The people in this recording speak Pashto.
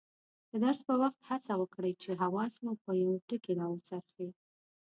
د درس په وخت هڅه وکړئ چې حواس مو په یوه ټکي راوڅرخي.